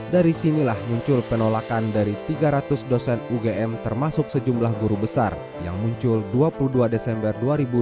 dari sinilah muncul penolakan dari tiga ratus dosen ugm termasuk sejumlah guru besar yang muncul dua puluh dua desember dua ribu dua puluh